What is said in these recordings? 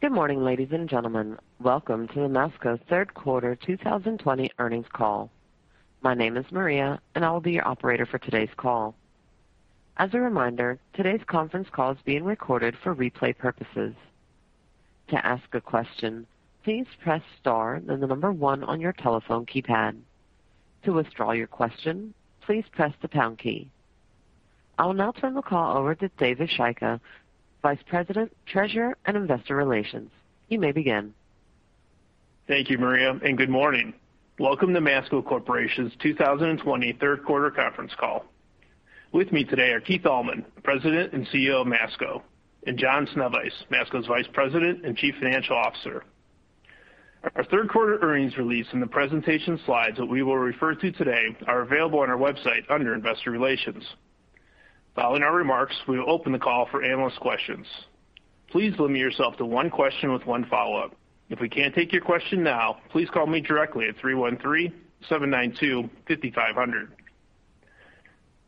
Good morning, ladies and gentlemen. Welcome to the Masco Third Quarter 2020 Earnings Call. My name is Maria and I will be your operator for today's call. As a reminder, today's conference call is being recorded for replay purposes. To ask a question, please press star, then the number one on your telephone keypad. To withdraw your question, please press the pound key. I will now turn the call over to David Chaika, Vice President, Treasurer, and Investor Relations. You may begin. Thank you, Maria. Good morning. Welcome to Masco Corporation's 2020 third quarter conference call. With me today are Keith Allman, President and CEO of Masco, and John Sznewajs, Masco's Vice President and Chief Financial Officer. Our third quarter earnings release and the presentation slides that we will refer to today are available on our website under Investor Relations. Following our remarks, we will open the call for analyst questions. Please limit yourself to one question with one follow-up. If we can't take your question now, please call me directly at 313-792-5500.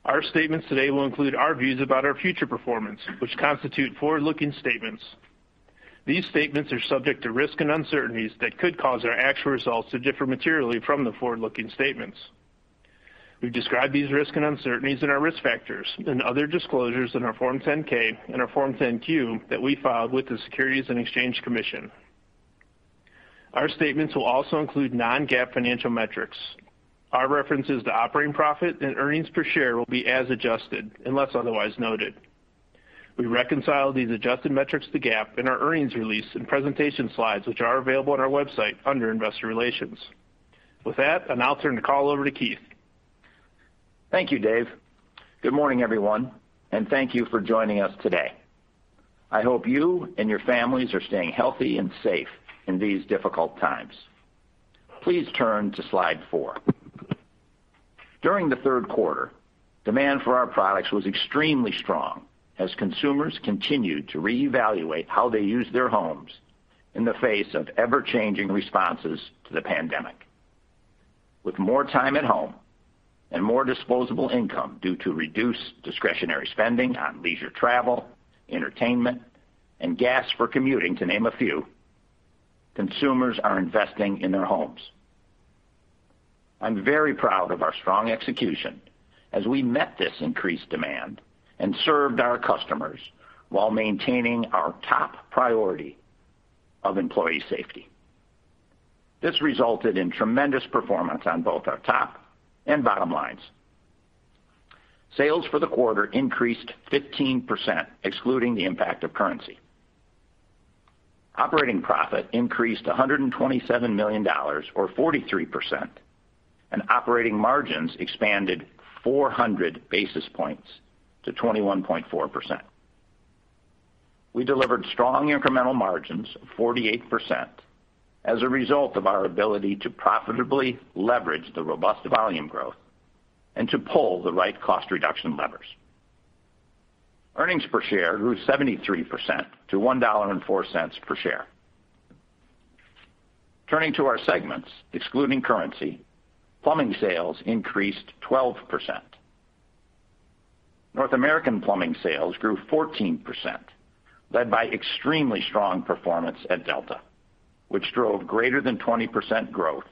Our statements today will include our views about our future performance, which constitute forward-looking statements. These statements are subject to risks and uncertainties that could cause our actual results to differ materially from the forward-looking statements. We've described these risks and uncertainties in our risk factors and other disclosures in our Form 10-K and our Form 10-Q that we filed with the Securities and Exchange Commission. Our statements will also include non-GAAP financial metrics. Our references to operating profit and earnings per share will be as adjusted unless otherwise noted. We reconcile these adjusted metrics to GAAP in our earnings release and presentation slides, which are available on our website under Investor Relations. With that, I now turn the call over to Keith. Thank you, Dave. Good morning, everyone, and thank you for joining us today. I hope you and your families are staying healthy and safe in these difficult times. Please turn to slide four. During the third quarter, demand for our products was extremely strong as consumers continued to reevaluate how they use their homes in the face of ever-changing responses to the pandemic. With more time at home and more disposable income due to reduced discretionary spending on leisure travel, entertainment, and gas for commuting, to name a few, consumers are investing in their homes. I'm very proud of our strong execution as we met this increased demand and served our customers while maintaining our top priority of employee safety. This resulted in tremendous performance on both our top and bottom lines. Sales for the quarter increased 15%, excluding the impact of currency. Operating profit increased $127 million, or 43%, and operating margins expanded 400 basis points to 21.4%. We delivered strong incremental margins of 48% as a result of our ability to profitably leverage the robust volume growth and to pull the right cost reduction levers. Earnings per share grew 73% to $1.04 per share. Turning to our segments, excluding currency, Plumbing sales increased 12%. North American Plumbing sales grew 14%, led by extremely strong performance at Delta, which drove greater than 20% growth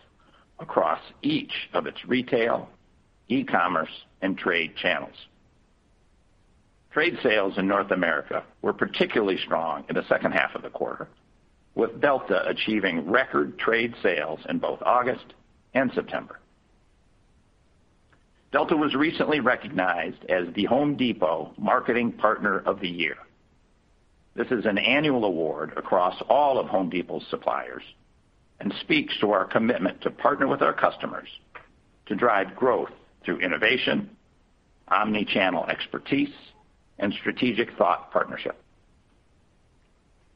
across each of its retail, e-commerce, and trade channels. Trade sales in North America were particularly strong in the second half of the quarter, with Delta achieving record trade sales in both August and September. Delta was recently recognized as The Home Depot Marketing Partner of the Year. This is an annual award across all of Home Depot's suppliers and speaks to our commitment to partner with our customers to drive growth through innovation, omni-channel expertise, and strategic thought partnership.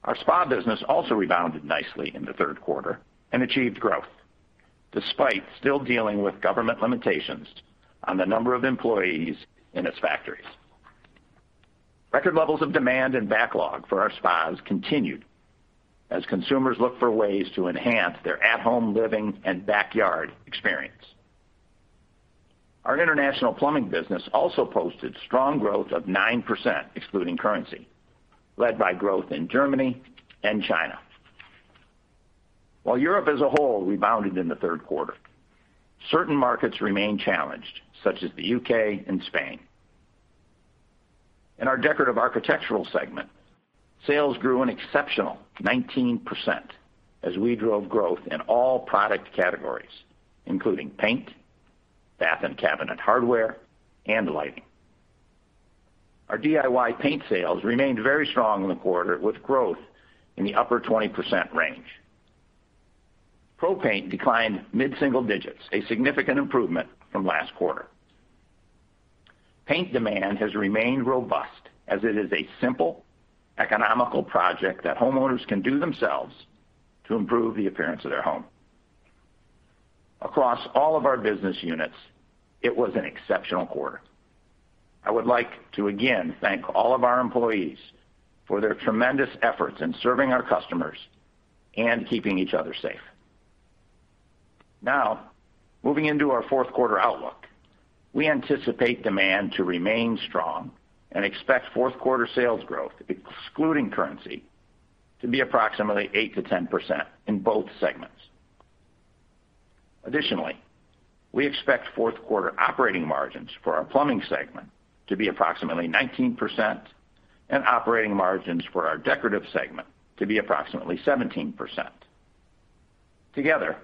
Our spa business also rebounded nicely in the third quarter and achieved growth, despite still dealing with government limitations on the number of employees in its factories. Record levels of demand and backlog for our spas continued as consumers look for ways to enhance their at-home living and backyard experience. Our international Plumbing business also posted strong growth of 9%, excluding currency, led by growth in Germany and China. Europe as a whole rebounded in the third quarter, certain markets remain challenged, such as the U.K. and Spain. In our Decorative Architectural segment, sales grew an exceptional 19% as we drove growth in all product categories, including Paint, Bath & Cabinet Hardware and Lighting. Our DIY paint sales remained very strong in the quarter, with growth in the upper 20% range. PRO paint declined mid-single digits, a significant improvement from last quarter. Paint demand has remained robust as it is a simple, economical project that homeowners can do themselves to improve the appearance of their home. Across all of our business units, it was an exceptional quarter. I would like to again thank all of our employees for their tremendous efforts in serving our customers and keeping each other safe. Now, moving into our fourth quarter outlook. We anticipate demand to remain strong and expect fourth quarter sales growth, excluding currency, to be approximately 8%-10% in both segments. Additionally, we expect fourth quarter operating margins for our Plumbing segment to be approximately 19% and operating margins for our Decorative segment to be approximately 17%. Together,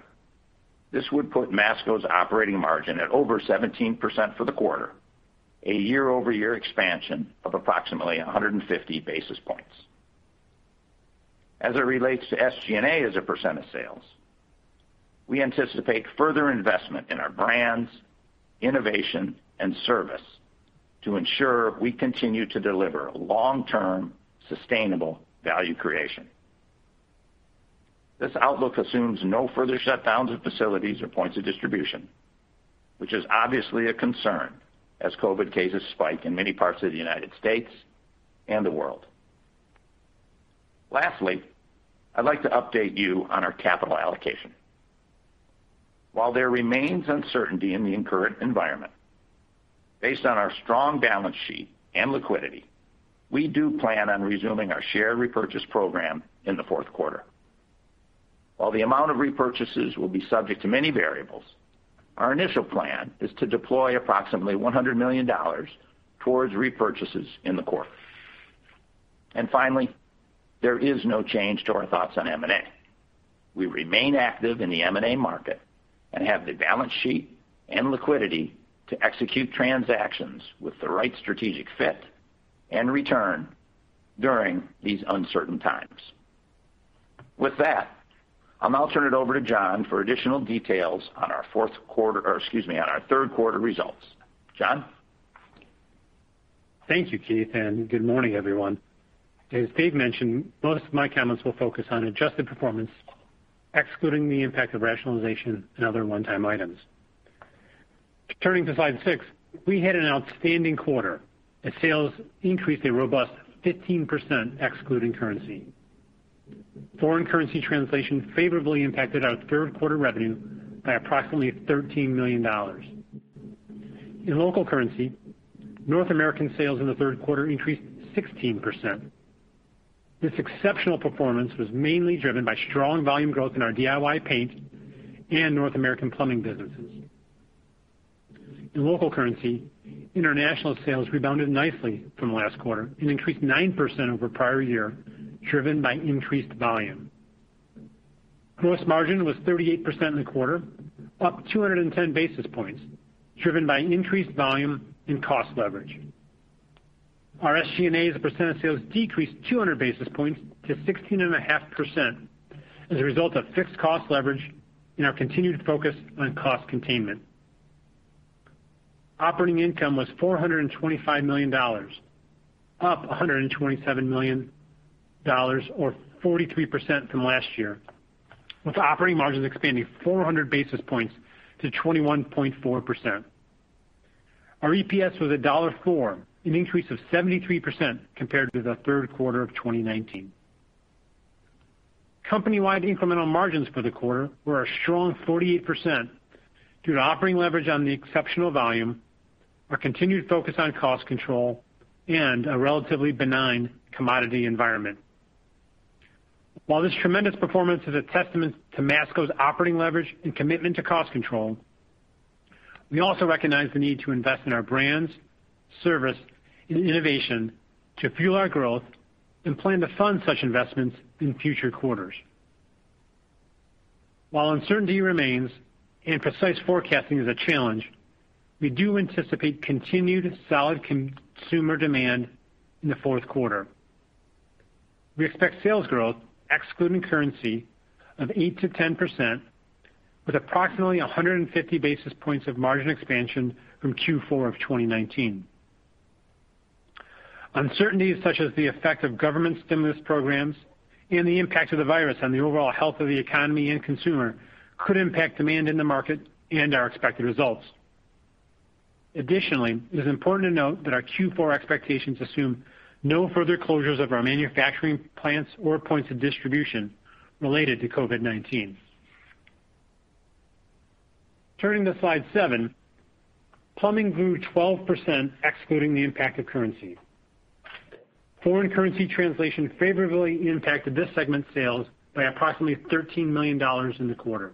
this would put Masco's operating margin at over 17% for the quarter, a year-over-year expansion of approximately 150 basis points. As it relates to SG&A as a percentage of sales, we anticipate further investment in our brands, innovation, and service to ensure we continue to deliver long-term sustainable value creation. This outlook assumes no further shutdowns of facilities or points of distribution, which is obviously a concern as COVID cases spike in many parts of the United States and the world. Lastly, I'd like to update you on our capital allocation. While there remains uncertainty in the current environment, based on our strong balance sheet and liquidity, we do plan on resuming our share repurchase program in the fourth quarter. While the amount of repurchases will be subject to many variables, our initial plan is to deploy approximately $100 million towards repurchases in the quarter. Finally, there is no change to our thoughts on M&A. We remain active in the M&A market and have the balance sheet and liquidity to execute transactions with the right strategic fit and return during these uncertain times. With that, I'll now turn it over to John for additional details on our third quarter results. John? Thank you, Keith, and good morning, everyone. As Dave mentioned, most of my comments will focus on adjusted performance, excluding the impact of rationalization and other one-time items. Turning to slide six, we had an outstanding quarter as sales increased a robust 15% excluding currency. Foreign currency translation favorably impacted our third quarter revenue by approximately $13 million. In local currency, North American sales in the third quarter increased 16%. This exceptional performance was mainly driven by strong volume growth in our DIY paint and North American Plumbing businesses. In local currency, international sales rebounded nicely from last quarter and increased 9% over prior year, driven by increased volume. Gross margin was 38% in the quarter, up 210 basis points, driven by increased volume and cost leverage. Our SG&A as a percent of sales decreased 200 basis points to 16.5% as a result of fixed cost leverage and our continued focus on cost containment. Operating income was $425 million, up $127 million or 43% from last year, with operating margins expanding 400 basis points to 21.4%. Our EPS was $1.04, an increase of 73% compared to the third quarter of 2019. Company-wide incremental margins for the quarter were a strong 48% due to operating leverage on the exceptional volume, our continued focus on cost control, and a relatively benign commodity environment. While this tremendous performance is a testament to Masco's operating leverage and commitment to cost control, we also recognize the need to invest in our brands, service, and innovation to fuel our growth and plan to fund such investments in future quarters. While uncertainty remains and precise forecasting is a challenge, we do anticipate continued solid consumer demand in the fourth quarter. We expect sales growth, excluding currency, of 8%-10% with approximately 150 basis points of margin expansion from Q4 of 2019. Uncertainties such as the effect of government stimulus programs and the impact of the virus on the overall health of the economy and consumer could impact demand in the market and our expected results. It is important to note that our Q4 expectations assume no further closures of our manufacturing plants or points of distribution related to COVID-19. Turning to slide seven, plumbing grew 12%, excluding the impact of currency. Foreign currency translation favorably impacted this segment's sales by approximately $13 million in the quarter.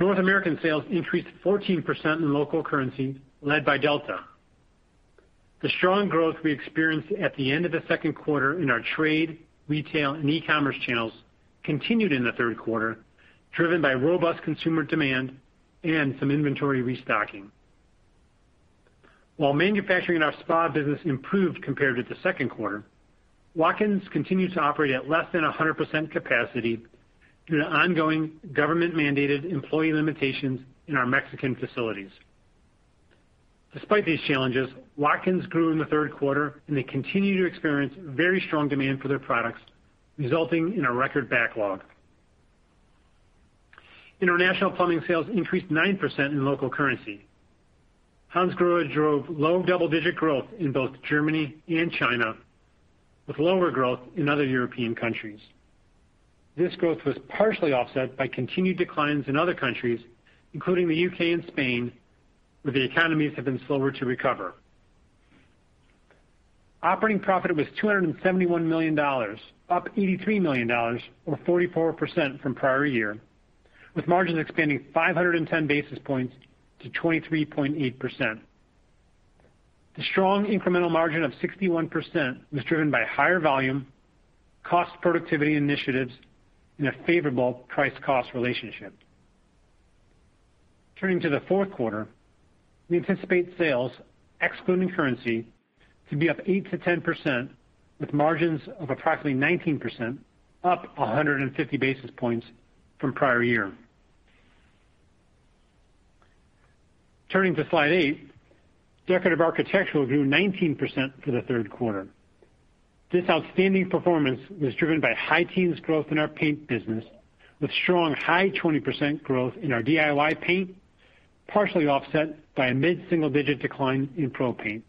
North American sales increased 14% in local currency, led by Delta. The strong growth we experienced at the end of the second quarter in our trade, retail, and e-commerce channels continued in the third quarter, driven by robust consumer demand and some inventory restocking. While manufacturing in our spa business improved compared to the second quarter, Watkins continued to operate at less than 100% capacity due to ongoing government-mandated employee limitations in our Mexican facilities. Despite these challenges, Watkins grew in the third quarter, and they continue to experience very strong demand for their products, resulting in a record backlog. International Plumbing sales increased 9% in local currency. Hansgrohe drove low double-digit growth in both Germany and China, with lower growth in other European countries. This growth was partially offset by continued declines in other countries, including the U.K. and Spain, where the economies have been slower to recover. Operating profit was $271 million, up $83 million or 44% from prior year, with margins expanding 510 basis points to 23.8%. The strong incremental margin of 61% was driven by higher volume, cost productivity initiatives, and a favorable price-cost relationship. Turning to the fourth quarter, we anticipate sales, excluding currency, to be up 8%-10%, with margins of approximately 19%, up 150 basis points from prior year. Turning to slide eight, Decorative Architectural grew 19% for the third quarter. This outstanding performance was driven by high teens growth in our paint business, with strong high 20% growth in our DIY paint, partially offset by a mid-single-digit decline in PRO paint.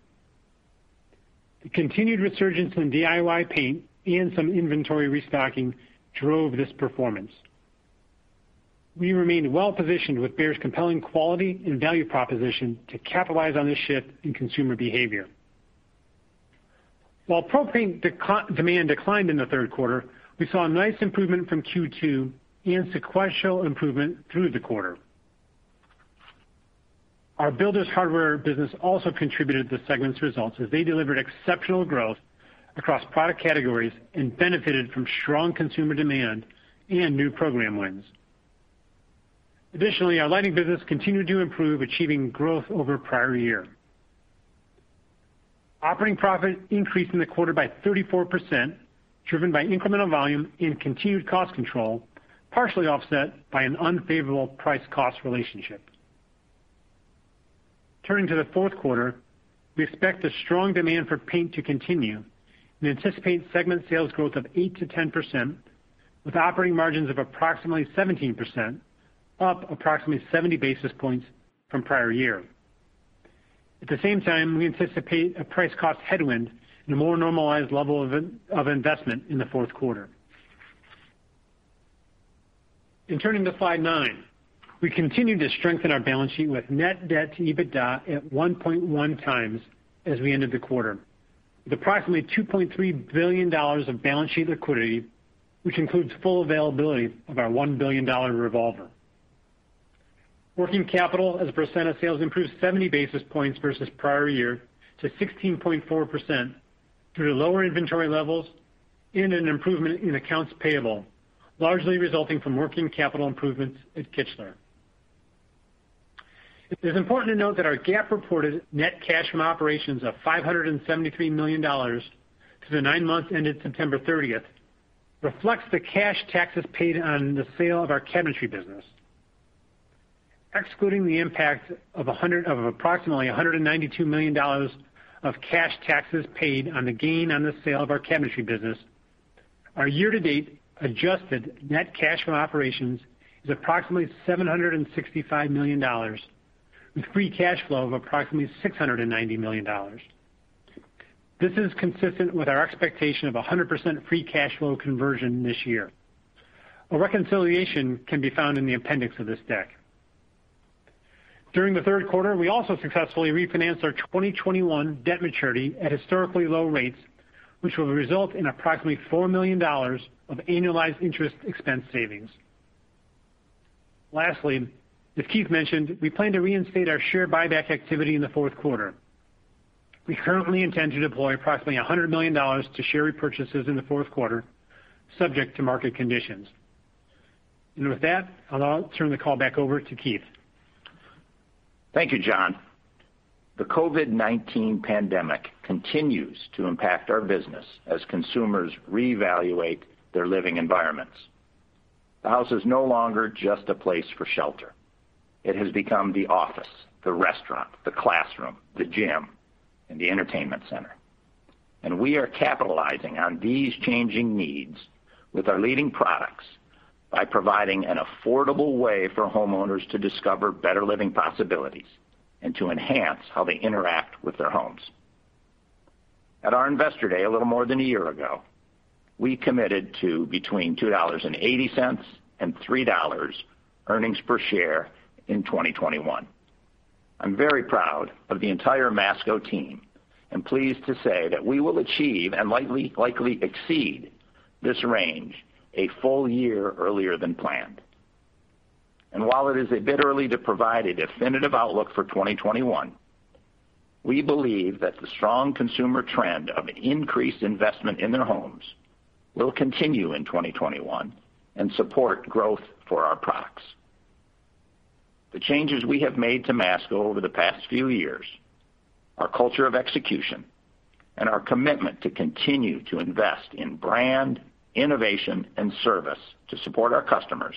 The continued resurgence in DIY paint and some inventory restocking drove this performance. We remain well-positioned with Behr's compelling quality and value proposition to capitalize on this shift in consumer behavior. While PRO paint demand declined in the third quarter, we saw a nice improvement from Q2 and sequential improvement through the quarter. Our builders hardware business also contributed to the segment's results as they delivered exceptional growth across product categories and benefited from strong consumer demand and new program wins. Additionally, our lighting business continued to improve, achieving growth over prior year. Operating profit increased in the quarter by 34%, driven by incremental volume and continued cost control, partially offset by an unfavorable price-cost relationship. Turning to the fourth quarter, we expect the strong demand for paint to continue and anticipate segment sales growth of 8%-10%, with operating margins of approximately 17%, up approximately 70 basis points from prior year. At the same time, we anticipate a price cost headwind and a more normalized level of investment in the fourth quarter. Turning to slide nine. We continued to strengthen our balance sheet with net debt to EBITDA at 1.1 times as we ended the quarter. With approximately $2.3 billion of balance sheet liquidity, which includes full availability of our $1 billion revolver. Working capital as a percentage of sales improved 70 basis points versus prior year to 16.4% through lower inventory levels and an improvement in accounts payable, largely resulting from working capital improvements at Kichler. It is important to note that our GAAP reported net cash from operations of $573 million to the nine months ended September 30th reflects the cash taxes paid on the sale of our cabinetry business. Excluding the impact of approximately $192 million of cash taxes paid on the gain on the sale of our cabinetry business, our year-to-date adjusted net cash from operations is approximately $765 million, with free cash flow of approximately $690 million. This is consistent with our expectation of 100% free cash flow conversion this year. A reconciliation can be found in the appendix of this deck. During the third quarter, we also successfully refinanced our 2021 debt maturity at historically low rates, which will result in approximately $4 million of annualized interest expense savings. As Keith mentioned, we plan to reinstate our share buyback activity in the fourth quarter. We currently intend to deploy approximately $100 million to share repurchases in the fourth quarter, subject to market conditions. With that, I'll now turn the call back over to Keith. Thank you, John. The COVID-19 pandemic continues to impact our business as consumers reevaluate their living environments. The house is no longer just a place for shelter. It has become the office, the restaurant, the classroom, the gym, and the entertainment center. We are capitalizing on these changing needs with our leading products by providing an affordable way for homeowners to discover better living possibilities and to enhance how they interact with their homes. At our Investor Day a little more than a year ago, we committed to between $2.80 and $3 earnings per share in 2021. I'm very proud of the entire Masco team and pleased to say that we will achieve, and likely exceed, this range a full year earlier than planned. While it is a bit early to provide a definitive outlook for 2021, we believe that the strong consumer trend of increased investment in their homes will continue in 2021 and support growth for our products. The changes we have made to Masco over the past few years, our culture of execution, and our commitment to continue to invest in brand, innovation, and service to support our customers,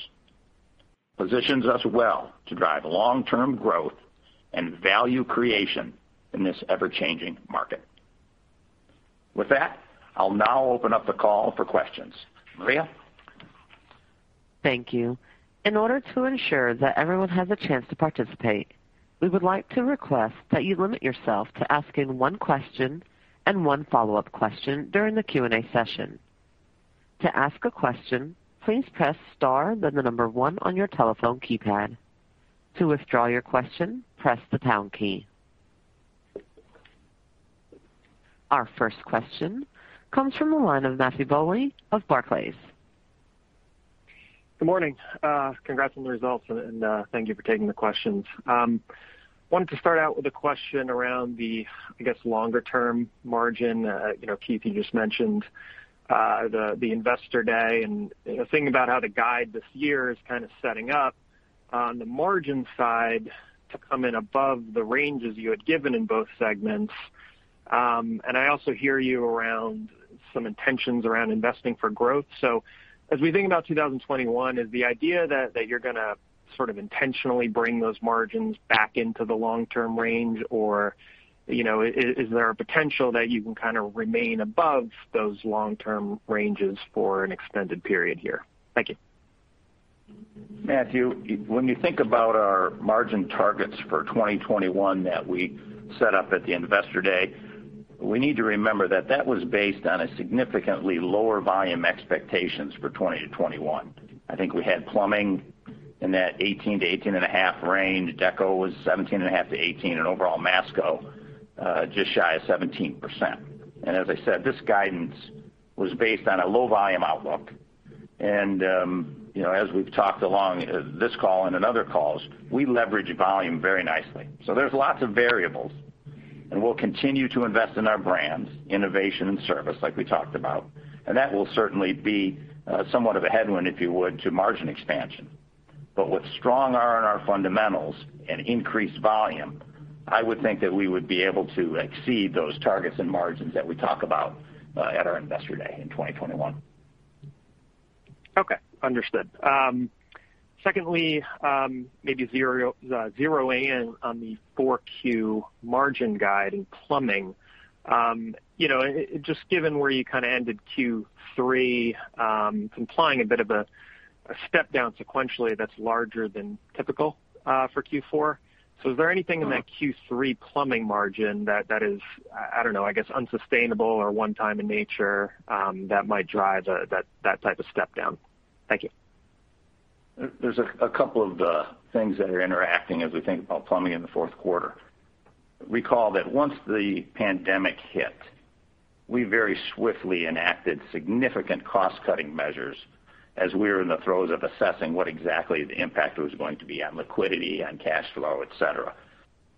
positions us well to drive long-term growth and value creation in this ever-changing market. With that, I'll now open up the call for questions. Maria? Thank you. In order to ensure that everyone has a chance to participate, we would like to request that you limit yourself to asking one question and one follow-up question during the Q&A session. To ask a question, please press star, then the number one on your telephone keypad. To withdraw your question, press the pound key. Our first question comes from the line of Matthew Bouley of Barclays. Good morning. Congrats on the results and thank you for taking the questions. Wanted to start out with a question around the, I guess, longer-term margin. Keith, you just mentioned the Investor Day and thinking about how the guide this year is kind of setting up on the margin side to come in above the ranges you had given in both segments. I also hear you around some intentions around investing for growth. As we think about 2021, is the idea that you're going to sort of intentionally bring those margins back into the long-term range? Or is there a potential that you can kind of remain above those long-term ranges for an extended period here? Thank you. Matthew, when you think about our margin targets for 2021 that we set up at the Investor Day, we need to remember that that was based on a significantly lower volume expectations for 2021. I think we had Plumbing in that 18%-18.5% range. Deco was 17.5%-18%, and overall Masco, just shy of 17%. As I said, this guidance was based on a low volume outlook. As we've talked along this call and in other calls, we leverage volume very nicely. There's lots of variables, and we'll continue to invest in our brands, innovation, and service like we talked about. That will certainly be somewhat of a headwind, if you would, to margin expansion. With strong R&R fundamentals and increased volume, I would think that we would be able to exceed those targets and margins that we talk about at our Investor Day in 2021. Okay. Understood. Secondly, maybe zero in on the 4Q margin guide in plumbing. Just given where you kind of ended Q3, implying a bit of a step down sequentially that's larger than typical for Q4. Is there anything in that Q3 Plumbing margin that is, I don't know, I guess, unsustainable or one time in nature that might drive that type of step down? Thank you. There's a couple of things that are interacting as we think about Plumbing in the fourth quarter. Recall that once the pandemic hit, we very swiftly enacted significant cost-cutting measures as we were in the throes of assessing what exactly the impact was going to be on liquidity, on cash flow, et cetera,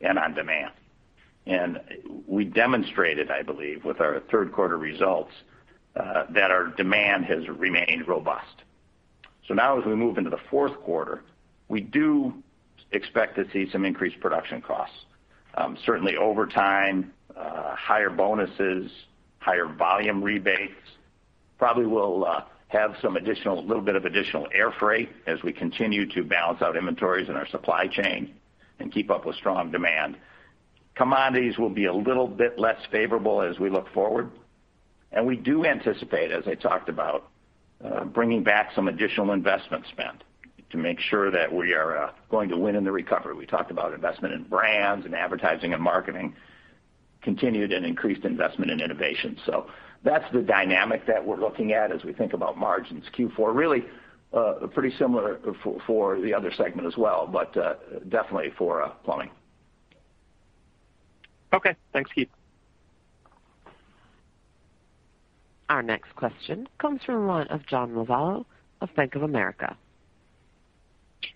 and on demand. We demonstrated, I believe, with our third quarter results that our demand has remained robust. Now as we move into the fourth quarter, we do expect to see some increased production costs. Certainly overtime, higher bonuses, higher volume rebates. Probably we'll have a little bit of additional air freight as we continue to balance out inventories in our supply chain and keep up with strong demand. Commodities will be a little bit less favorable as we look forward, and we do anticipate, as I talked about, bringing back some additional investment spend to make sure that we are going to win in the recovery. We talked about investment in brands and advertising and marketing, continued and increased investment in innovation. That's the dynamic that we're looking at as we think about margins. Q4 really pretty similar for the other segment as well, but definitely for Plumbing. Okay. Thanks, Keith. Our next question comes from the line of John Lovallo of Bank of America.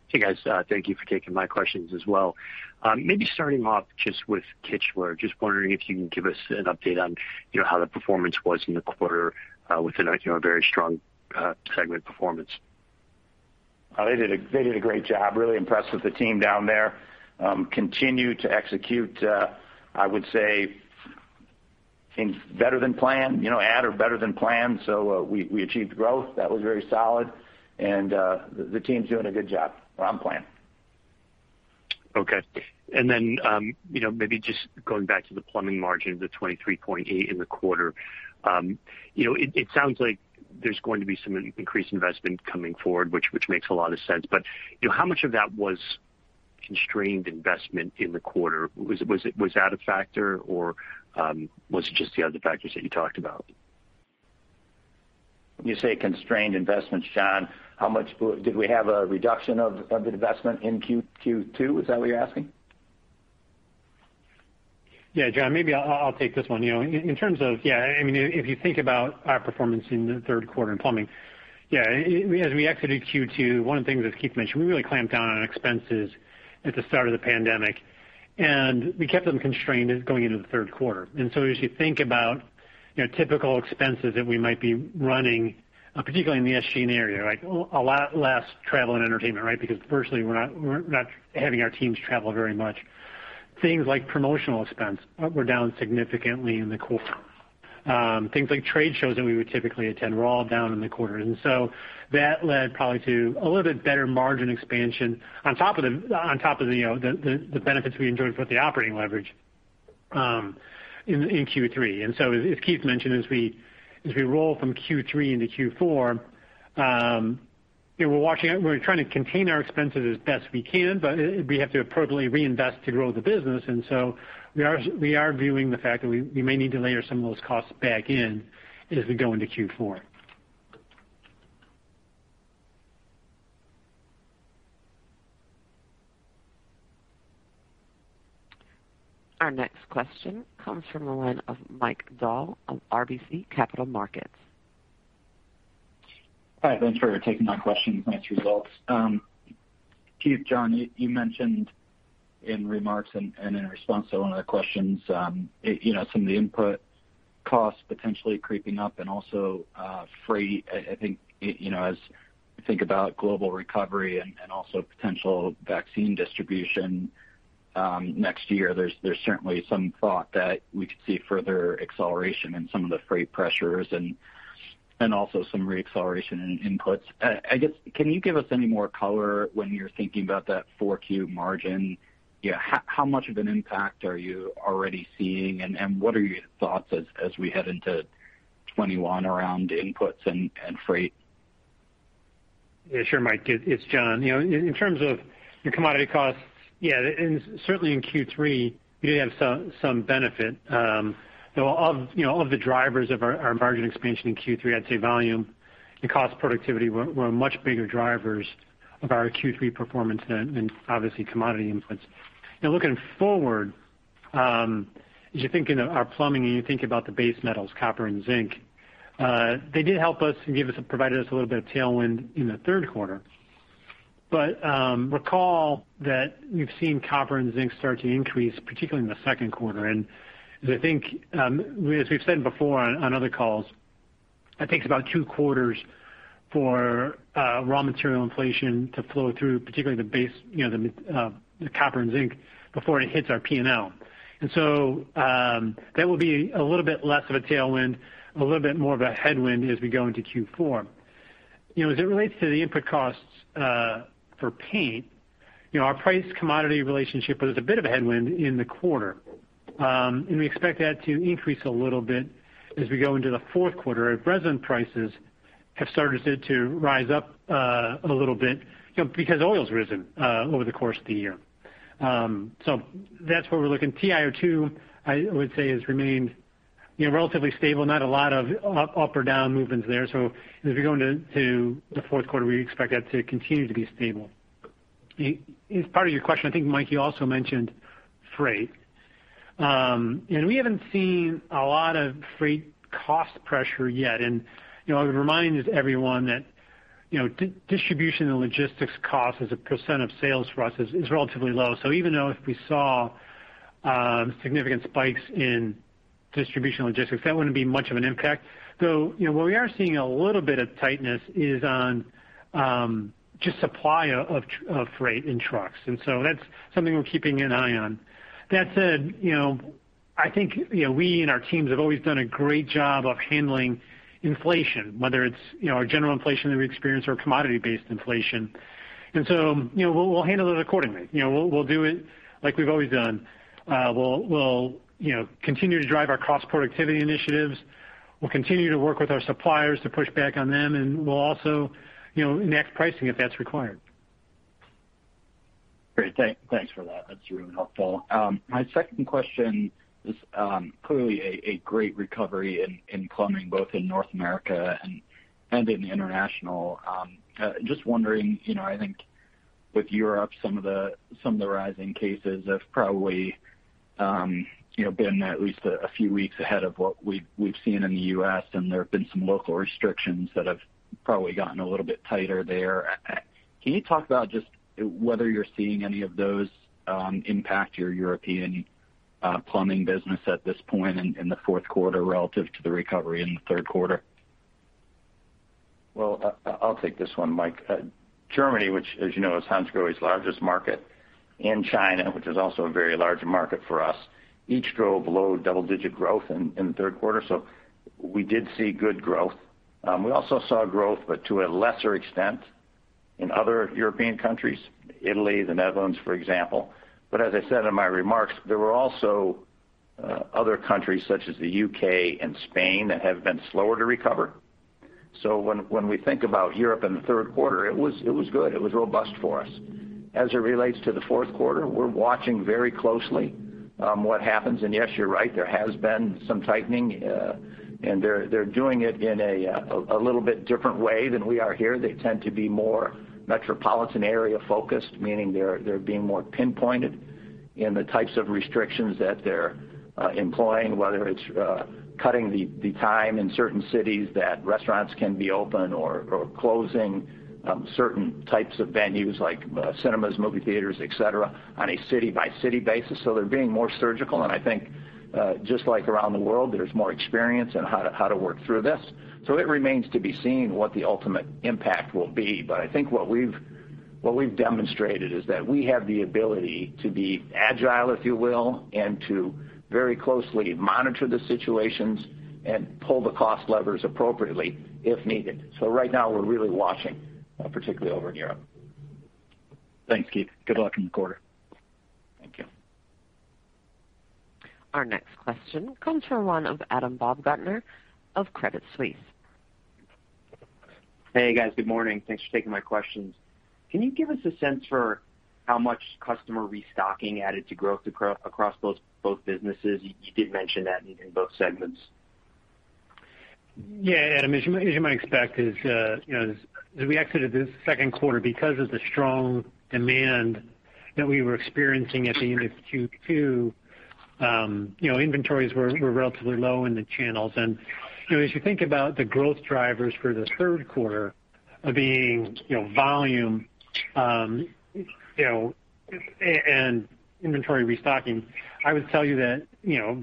Hey, guys. Thank you for taking my questions as well. Starting off just with Kichler, just wondering if you can give us an update on how the performance was in the quarter within a very strong segment performance? They did a great job. Really impressed with the team down there. Continue to execute, I would say, better than planned. We achieved growth. That was very solid. The team's doing a good job. We're on plan. Okay. Maybe just going back to the Plumbing margin of the 23.8% in the quarter. It sounds like there's going to be some increased investment coming forward, which makes a lot of sense. How much of that was constrained investment in the quarter? Was that a factor or was it just the other factors that you talked about? You say constrained investments, John, did we have a reduction of investment in Q2? Is that what you're asking? Yeah, John, maybe I'll take this one. If you think about our performance in the third quarter in plumbing, as we exited Q2, one of the things, as Keith mentioned, we really clamped down on expenses at the start of the pandemic, and we kept them constrained going into the third quarter. As you think about typical expenses that we might be running, particularly in the SG&A area, like a lot less travel and entertainment, right? Because firstly, we're not having our teams travel very much. Things like promotional expense were down significantly in the quarter. Things like trade shows that we would typically attend were all down in the quarter. That led probably to a little bit better margin expansion on top of the benefits we enjoyed with the operating leverage in Q3. As Keith mentioned, as we roll from Q3 into Q4, we're trying to contain our expenses as best we can, but we have to appropriately reinvest to grow the business. We are viewing the fact that we may need to layer some of those costs back in as we go into Q4. Our next question comes from the line of Mike Dahl of RBC Capital Markets. Hi, thanks for taking my question. Nice results. Keith, John, you mentioned in remarks and in response to one of the questions some of the input costs potentially creeping up and also freight. I think as we think about global recovery and also potential vaccine distribution next year, there's certainly some thought that we could see further acceleration in some of the freight pressures and also some re-acceleration in inputs. I guess, can you give us any more color when you're thinking about that 4Q margin? How much of an impact are you already seeing, and what are your thoughts as we head into 2021 around inputs and freight? Yeah, sure. Mike, it's John. In terms of the commodity costs, yeah. Certainly in Q3, we did have some benefit. Though all of the drivers of our margin expansion in Q3, I'd say volume and cost productivity were much bigger drivers of our Q3 performance than obviously commodity inputs. Now, looking forward, as you think in our Plumbing and you think about the base metals, copper and zinc they did help us and provided us a little bit of tailwind in the third quarter. Recall that we've seen copper and zinc start to increase, particularly in the second quarter. As we've said before on other calls, it takes about two quarters for raw material inflation to flow through, particularly the base, the copper and zinc, before it hits our P&L. That will be a little bit less of a tailwind and a little bit more of a headwind as we go into Q4. As it relates to the input costs for paint, our price commodity relationship was a bit of a headwind in the quarter. We expect that to increase a little bit as we go into the fourth quarter. Resin prices have started to rise up a little bit because oil's risen over the course of the year. That's where we're looking. TiO2, I would say, has remained relatively stable. Not a lot of up or down movements there. As we go into the fourth quarter, we expect that to continue to be stable. As part of your question, I think, Mike, you also mentioned freight. We haven't seen a lot of freight cost pressure yet. I would remind just everyone that distribution and logistics cost as a percent of sales for us is relatively low. Even though if we saw significant spikes in distribution logistics, that wouldn't be much of an impact. Where we are seeing a little bit of tightness is on just supply of freight and trucks. That's something we're keeping an eye on. That said, I think we and our teams have always done a great job of handling inflation, whether it's general inflation that we experience or commodity-based inflation. We'll handle those accordingly. We'll do it like we've always done. We'll continue to drive our cost productivity initiatives. We'll continue to work with our suppliers to push back on them, and we'll also enact pricing if that's required. Great. Thanks for that. That's really helpful. My second question is clearly a great recovery in plumbing, both in North America and in the international. Just wondering, I think with Europe, some of the rising cases have probably been at least a few weeks ahead of what we've seen in the U.S., and there have been some local restrictions that have probably gotten a little bit tighter there, can you talk about just whether you're seeing any of those impact your European Plumbing business at this point in the fourth quarter relative to the recovery in the third quarter? Well, I'll take this one, Mike. Germany, which as you know, is Hansgrohe's largest market, and China, which is also a very large market for us, each drove low double-digit growth in the third quarter. We did see good growth. We also saw growth, but to a lesser extent in other European countries, Italy, the Netherlands, for example. As I said in my remarks, there were also other countries such as the U.K. and Spain that have been slower to recover. When we think about Europe in the third quarter, it was good. It was robust for us. As it relates to the fourth quarter, we're watching very closely what happens. Yes, you're right, there has been some tightening. They're doing it in a little bit different way than we are here. They tend to be more metropolitan area focused, meaning they're being more pinpointed in the types of restrictions that they're employing, whether it's cutting the time in certain cities that restaurants can be open or closing certain types of venues like cinemas, movie theaters, et cetera, on a city-by-city basis. They're being more surgical, and I think just like around the world, there's more experience in how to work through this. It remains to be seen what the ultimate impact will be. I think what we've demonstrated is that we have the ability to be agile, if you will, and to very closely monitor the situations and pull the cost levers appropriately if needed. Right now, we're really watching, particularly over in Europe. Thanks, Keith. Good luck on the quarter. Thank you. Our next question comes from the line of Adam Baumgarten of Credit Suisse. Hey guys, good morning. Thanks for taking my questions. Can you give us a sense for how much customer restocking added to growth across both businesses? You did mention that in both segments. Yeah, Adam, as you might expect, as we exited this second quarter, because of the strong demand that we were experiencing at the end of Q2, inventories were relatively low in the channels. As you think about the growth drivers for the third quarter being volume and inventory restocking, I would tell you that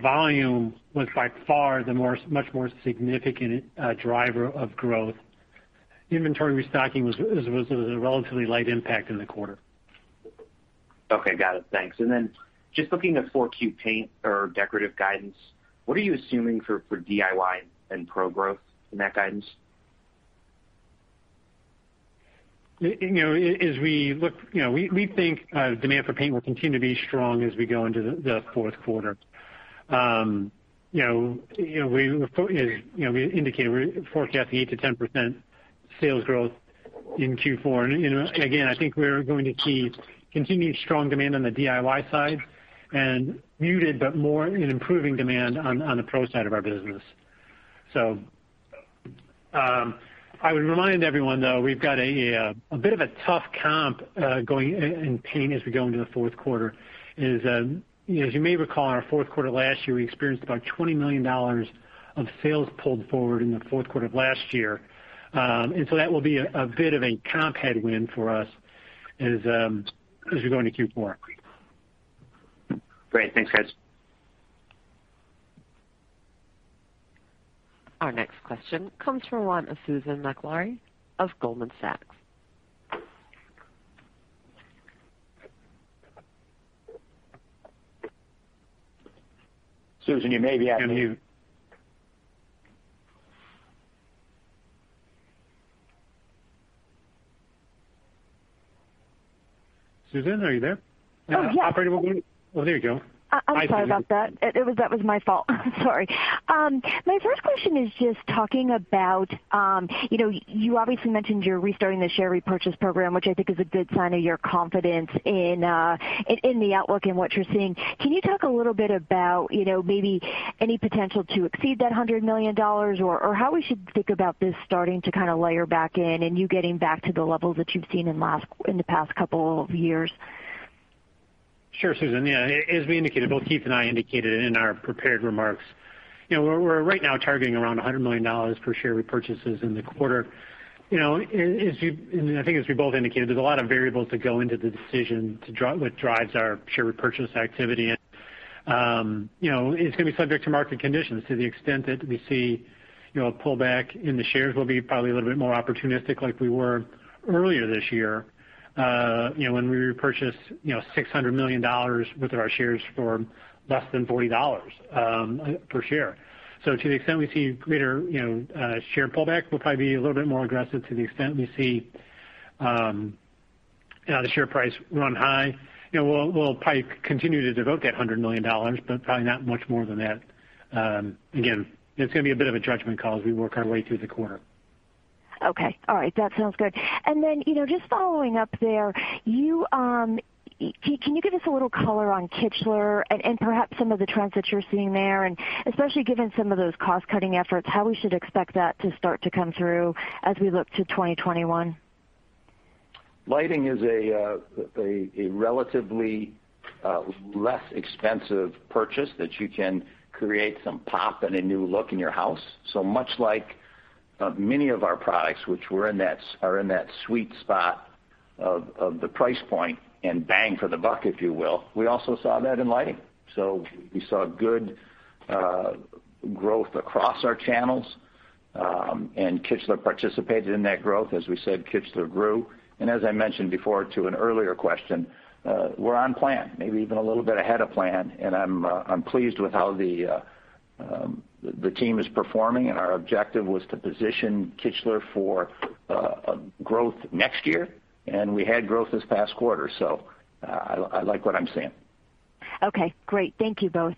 volume was by far the much more significant driver of growth. Inventory restocking was a relatively light impact in the quarter. Okay. Got it. Thanks. Just looking at 4Q paint or Decorative guidance, what are you assuming for DIY and PRO growth in that guidance? We think demand for paint will continue to be strong as we go into the fourth quarter. We indicated we're forecasting 8%-10% sales growth in Q4. Again, I think we're going to see continued strong demand on the DIY side and muted, but more in improving demand on the PRO side of our business. I would remind everyone, though, we've got a bit of a tough comp going in paint as we go into the fourth quarter. As you may recall, in our fourth quarter last year, we experienced about $20 million of sales pulled forward in the fourth quarter of last year. That will be a bit of a comp headwind for us as we go into Q4. Great. Thanks, guys. Our next question comes from the line of Susan Maklari of Goldman Sachs. Susan, you may be on mute. Susan, are you there? Oh, yeah. Operator, oh, there you go. I'm sorry about that. That was my fault. Sorry. My first question is just talking about, you obviously mentioned you're restarting the share repurchase program, which I think is a good sign of your confidence in the outlook and what you're seeing. Can you talk a little bit about maybe any potential to exceed that $100 million? How we should think about this starting to kind of layer back in and you getting back to the levels that you've seen in the past couple of years? Sure, Susan. Yeah. As we indicated, both Keith and I indicated in our prepared remarks, we're right now targeting around $100 million per share repurchases in the quarter. I think as we both indicated, there's a lot of variables that go into the decision, what drives our share repurchase activity. It's going to be subject to market conditions to the extent that we see a pullback in the shares will be probably a little bit more opportunistic like we were earlier this year when we repurchased $600 million worth of our shares for less than $40 per share. To the extent we see greater share pullback, we'll probably be a little bit more aggressive to the extent we see the share price run high. We'll probably continue to devote that $100 million, but probably not much more than that. Again, it's going to be a bit of a judgment call as we work our way through the quarter. Okay. All right. That sounds good. Just following up there, can you give us a little color on Kichler and perhaps some of the trends that you're seeing there, and especially given some of those cost-cutting efforts, how we should expect that to start to come through as we look to 2021? Lighting is a relatively less expensive purchase that you can create some pop and a new look in your house. Much like many of our products, which are in that sweet spot of the price point and bang for the buck, if you will. We also saw that in lighting. We saw good growth across our channels, and Kichler participated in that growth. As we said, Kichler grew. As I mentioned before to an earlier question, we're on plan, maybe even a little bit ahead of plan, and I'm pleased with how the team is performing, and our objective was to position Kichler for growth next year. We had growth this past quarter, so I like what I'm seeing. Okay. Great. Thank you both.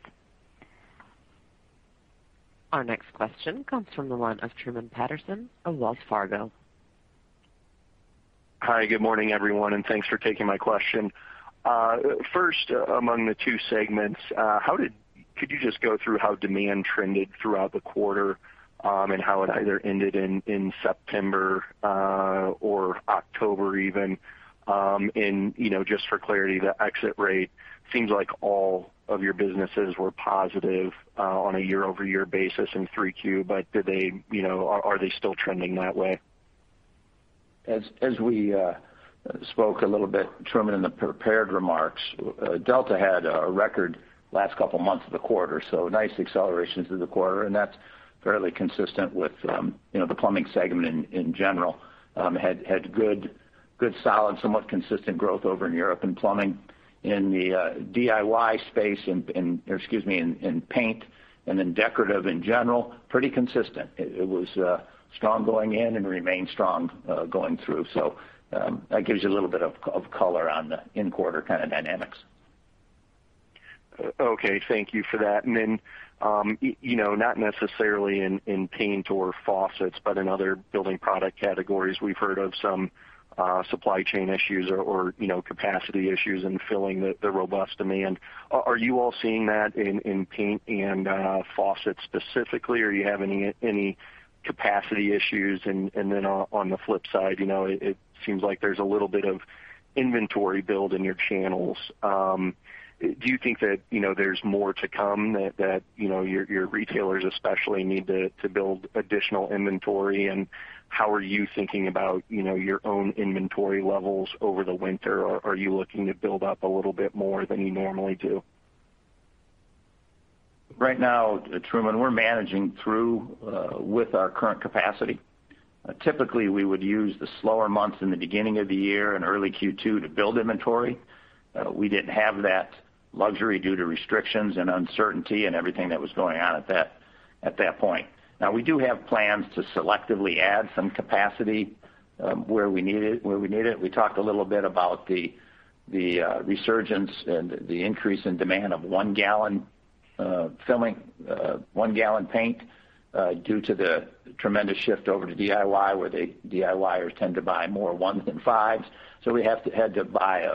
Our next question comes from the line of Truman Patterson of Wells Fargo. Hi, good morning, everyone, and thanks for taking my question. First, among the two segments, could you just go through how demand trended throughout the quarter and how it either ended in September or October even? Just for clarity, the exit rate seems like all of your businesses were positive on a year-over-year basis in Q3, but are they still trending that way? As we spoke a little bit, Truman, in the prepared remarks, Delta had a record last couple of months of the quarter, nice acceleration through the quarter, and that's fairly consistent with the Plumbing segment in general. Had good, solid, somewhat consistent growth over in Europe and Plumbing in the DIY space, excuse me, in paint and in Decorative in general, pretty consistent. It was strong going in and remained strong going through. That gives you a little bit of color on the in-quarter kind of dynamics. Okay. Thank you for that. Then, not necessarily in paint or faucets, but in other building product categories, we've heard of some supply chain issues or capacity issues in filling the robust demand. Are you all seeing that in paint and faucets specifically, or do you have any capacity issues? Then on the flip side, it seems like there's a little bit of inventory build in your channels. Do you think that there's more to come that your retailers especially need to build additional inventory? How are you thinking about your own inventory levels over the winter? Are you looking to build up a little bit more than you normally do? Right now, Truman, we're managing through with our current capacity. Typically, we would use the slower months in the beginning of the year and early Q2 to build inventory. We didn't have that luxury due to restrictions and uncertainty and everything that was going on at that point. We do have plans to selectively add some capacity, where we need it. We talked a little bit about the resurgence and the increase in demand of one gallon filling, one gallon paint, due to the tremendous shift over to DIY, where the DIYers tend to buy more ones than fives. We had to buy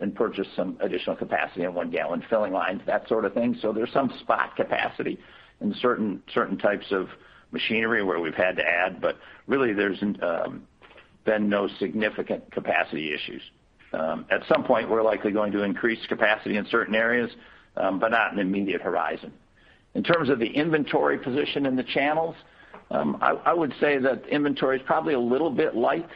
and purchase some additional capacity in one gallon filling lines, that sort of thing. There's some spot capacity in certain types of machinery where we've had to add, but really there's been no significant capacity issues. At some point, we're likely going to increase capacity in certain areas, but not in the immediate horizon. In terms of the inventory position in the channels, I would say that inventory is probably a little bit light,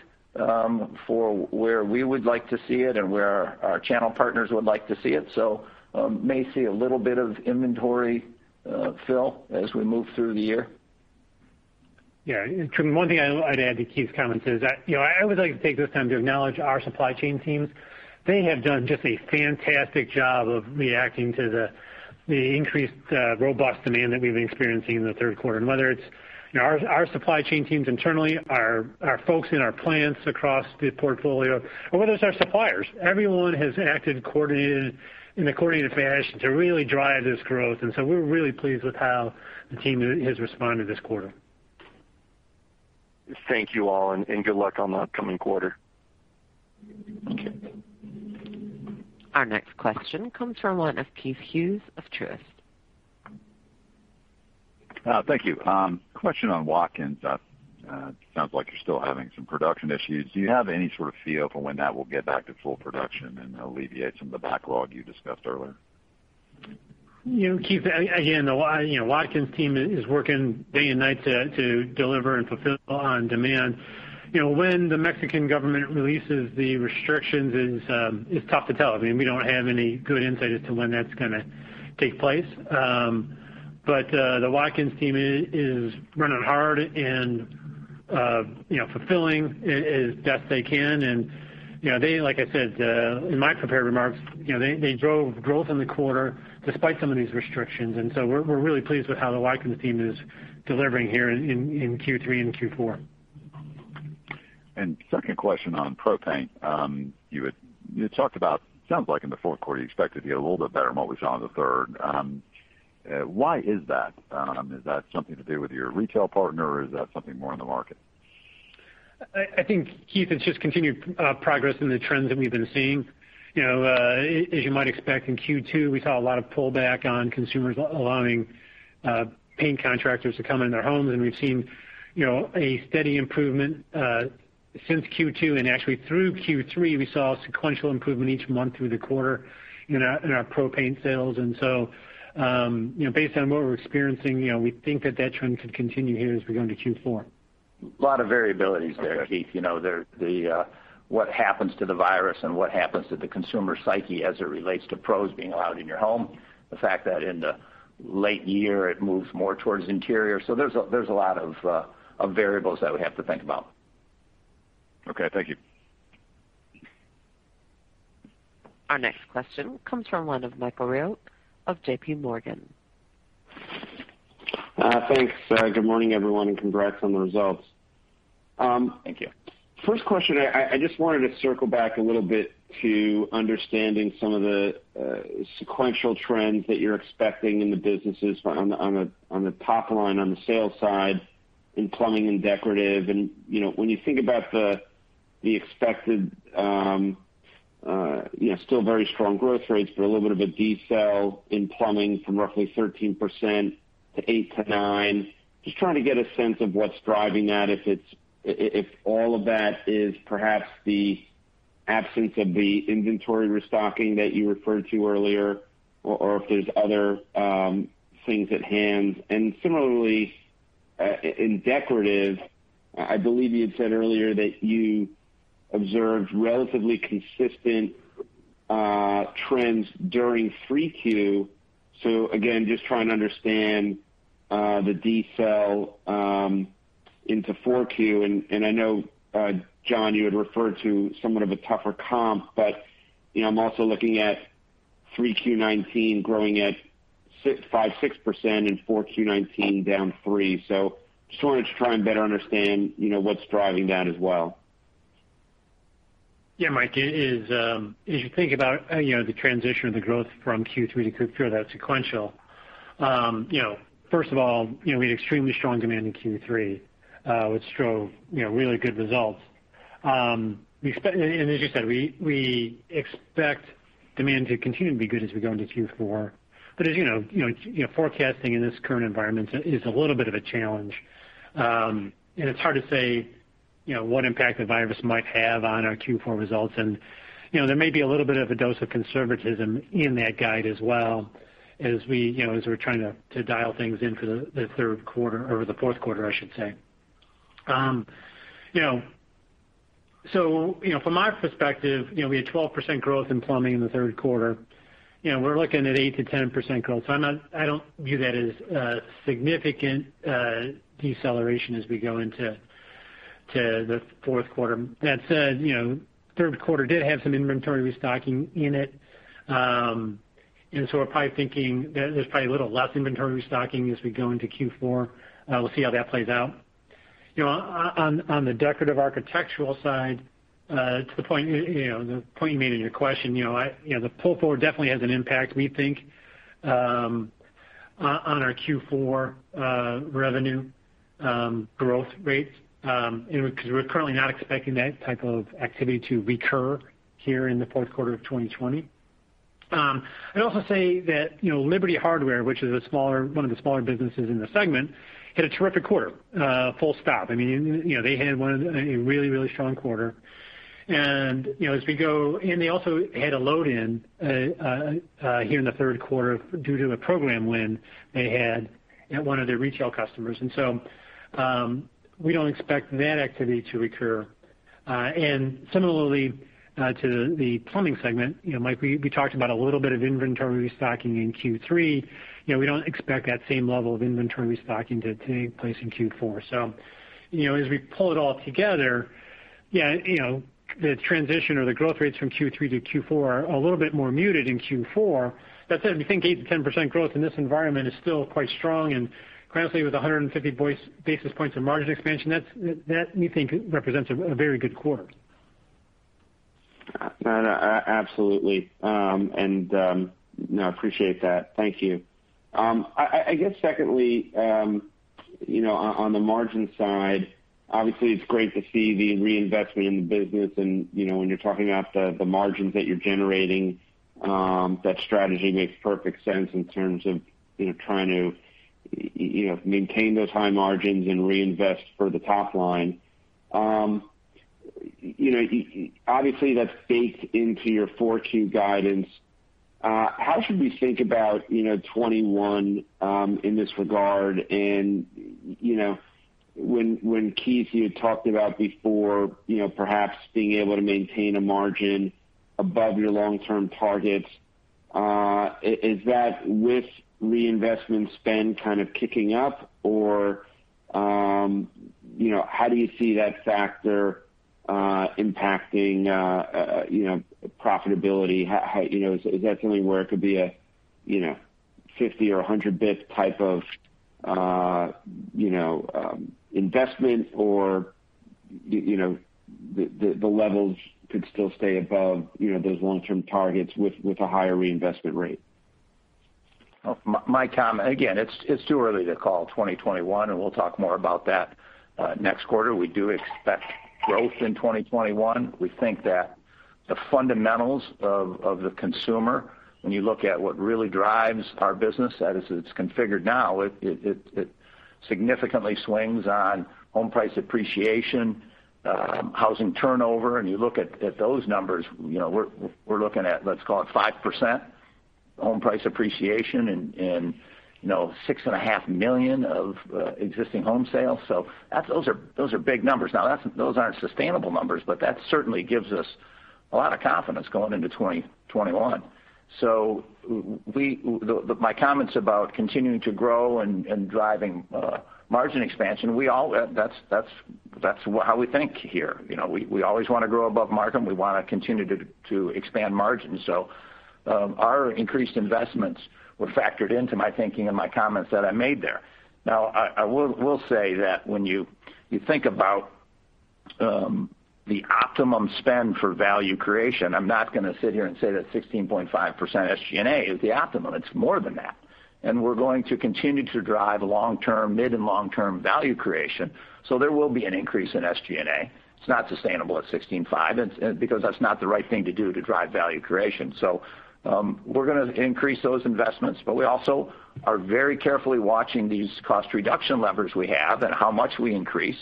for where we would like to see it and where our channel partners would like to see it. May see a little bit of inventory fill as we move through the year. Yeah. Truman, one thing I'd add to Keith's comments is I would like to take this time to acknowledge our supply chain teams. They have done just a fantastic job of reacting to the increased robust demand that we've been experiencing in the third quarter, and whether it's our supply chain teams internally, our folks in our plants across the portfolio, or whether it's our suppliers. Everyone has acted in a coordinated fashion to really drive this growth. We're really pleased with how the team has responded this quarter. Thank you all, and good luck on the upcoming quarter. Thank you. Our next question comes from line of Keith Hughes of Truist. Thank you. Question on Watkins. Sounds like you're still having some production issues. Do you have any sort of feel for when that will get back to full production and alleviate some of the backlog you discussed earlier? Keith, again, Watkins team is working day and night to deliver and fulfill on demand. When the Mexican government releases the restrictions is tough to tell. We don't have any good insight as to when that's going to take place. The Watkins team is running hard and fulfilling as best they can. They, like I said, in my prepared remarks, they drove growth in the quarter despite some of these restrictions. We're really pleased with how the Watkins team is delivering here in Q3 and Q4. Second question on pro paint. You had talked about, sounds like in the fourth quarter, you expect it to be a little bit better than what we saw in the third. Why is that? Is that something to do with your retail partner, or is that something more in the market? I think, Keith, it's just continued progress in the trends that we've been seeing. As you might expect in Q2, we saw a lot of pullback on consumers allowing paint contractors to come into their homes, and we've seen a steady improvement since Q2 and actually through Q3. We saw sequential improvement each month through the quarter in our PRO paint sales. Based on what we're experiencing, we think that trend could continue here as we go into Q4. A lot of variabilities there, Keith. Okay. What happens to the virus and what happens to the consumer psyche as it relates to pros being allowed in your home, the fact that in the late year, it moves more towards interior. There's a lot of variables that we have to think about. Okay. Thank you. Our next question comes from line of Michael Rehaut of JPMorgan. Thanks. Good morning, everyone, and congrats on the results. Thank you. First question, I just wanted to circle back a little bit to understanding some of the sequential trends that you're expecting in the businesses on the top line, on the sales side in Plumbing and Decorative. When you think about the expected still very strong growth rates, but a little bit of a decel in Plumbing from roughly 13% to 8%-9%. Just trying to get a sense of what's driving that, if all of that is perhaps the absence of the inventory restocking that you referred to earlier, or if there's other things at hand. Similarly, in Decorative, I believe you had said earlier that you observed relatively consistent trends during 3Q. Again, just trying to understand the decel into 4Q. I know, John, you had referred to somewhat of a tougher comp, but I'm also looking at 3Q 2019 growing at 5%, 6% in 4Q 2019 down 3%. Just wanted to try and better understand what's driving that as well. Yeah, Mike, as you think about the transition or the growth from Q3 to Q4, that's sequential. First of all, we had extremely strong demand in Q3, which drove really good results. As you said, we expect demand to continue to be good as we go into Q4. As you know, forecasting in this current environment is a little bit of a challenge. It's hard to say, what impact the virus might have on our Q4 results. There may be a little bit of a dose of conservatism in that guide as well, as we're trying to dial things in for the third quarter or the fourth quarter, I should say. From my perspective, we had 12% growth in plumbing in the third quarter. We're looking at 8%-10% growth. I don't view that as a significant deceleration as we go into the fourth quarter. That said, third quarter did have some inventory restocking in it. We're probably thinking there's probably a little less inventory restocking as we go into Q4. We'll see how that plays out. On the Decorative Architectural side, to the point you made in your question, the pull forward definitely has an impact, we think on our Q4 revenue growth rates, because we're currently not expecting that type of activity to recur here in the fourth quarter of 2020. I'd also say that Liberty Hardware, which is one of the smaller businesses in the segment, had a terrific quarter, full stop. They had a really, really strong quarter. They also had a load in here in the third quarter due to a program win they had at one of their retail customers. We don't expect that activity to recur. Similarly to the Plumbing segment, Mike, we talked about a little bit of inventory restocking in Q3. We don't expect that same level of inventory restocking to take place in Q4. As we pull it all together, the transition or the growth rates from Q3 to Q4 are a little bit more muted in Q4. That said, we think 8%-10% growth in this environment is still quite strong and, frankly, with 150 basis points of margin expansion, that we think represents a very good quarter. No, absolutely. No, I appreciate that. Thank you. I guess secondly, on the margin side, obviously it's great to see the reinvestment in the business and when you're talking about the margins that you're generating, that strategy makes perfect sense in terms of trying to maintain those high margins and reinvest for the top line. Obviously that's baked into your 4Q guidance. How should we think about 2021 in this regard? When, Keith, you had talked about before perhaps being able to maintain a margin above your long-term targets. Is that with reinvestment spend kind of kicking up or how do you see that factor impacting profitability? Is that something where it could be a 50 or 100 basis points type of investment or the levels could still stay above those long-term targets with a higher reinvestment rate? My comment, again, it's too early to call 2021, and we'll talk more about that next quarter. We do expect growth in 2021. We think that the fundamentals of the consumer, when you look at what really drives our business as it's configured now, it significantly swings on home price appreciation, housing turnover. You look at those numbers, we're looking at, let's call it 5% home price appreciation and 6.5 million of existing home sales. Those are big numbers. Now, those aren't sustainable numbers, but that certainly gives us a lot of confidence going into 2021. My comments about continuing to grow and driving margin expansion, that's how we think here. We always want to grow above market. We want to continue to expand margins. Our increased investments were factored into my thinking and my comments that I made there. Now, I will say that when you think about the optimum spend for value creation, I'm not going to sit here and say that 16.5% SG&A is the optimum. It's more than that. We're going to continue to drive long-term, mid and long-term value creation. There will be an increase in SG&A. It's not sustainable at 16.5% because that's not the right thing to do to drive value creation. We're going to increase those investments, but we also are very carefully watching these cost reduction levers we have and how much we increase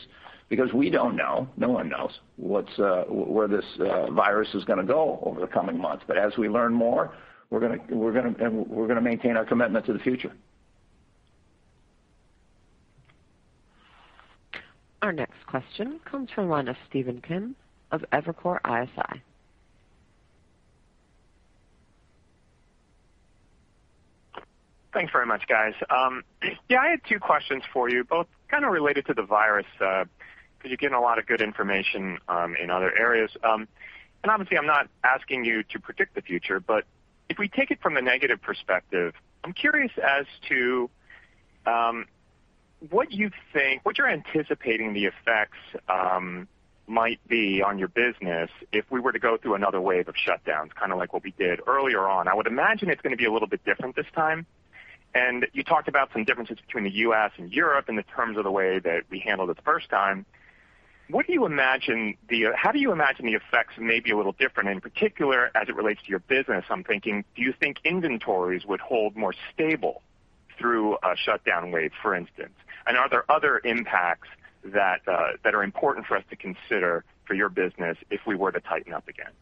because we don't know, no one knows where this virus is going to go over the coming months. As we learn more, we're going to maintain our commitment to the future. Our next question comes from the line of Stephen Kim of Evercore ISI. Thanks very much, guys. Yeah, I had two questions for you, both kind of related to the virus because you're getting a lot of good information in other areas. Obviously I'm not asking you to predict the future, but if we take it from a negative perspective, I'm curious as to. What you're anticipating the effects might be on your business if we were to go through another wave of shutdowns, kind of like what we did earlier on. I would imagine it's going to be a little bit different this time. You talked about some differences between the U.S. and Europe in the terms of the way that we handled it the first time. How do you imagine the effects may be a little different, in particular, as it relates to your business? I'm thinking, do you think inventories would hold more stable through a shutdown wave, for instance? Are there other impacts that are important for us to consider for your business if we were to tighten up again?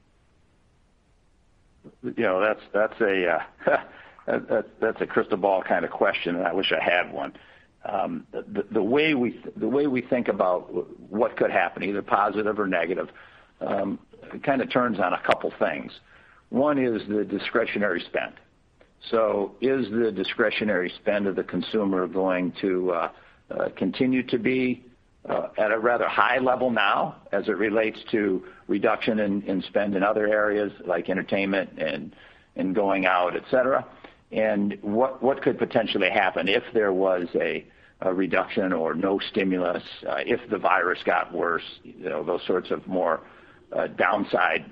That's a crystal ball kind of question, and I wish I had one. The way we think about what could happen, either positive or negative, kind of turns on a couple things. One is the discretionary spend. Is the discretionary spend of the consumer going to continue to be at a rather high level now as it relates to reduction in spend in other areas like entertainment and going out, et cetera? What could potentially happen if there was a reduction or no stimulus if the virus got worse? Those sorts of more downside